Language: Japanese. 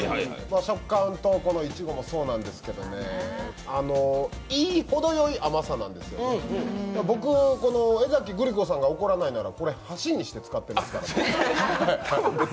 食感とこのいちごもそうなんですけどね、程良い甘さなんですよ、僕、江崎グリコさんが怒らないならこれ、箸にして使ってますからね。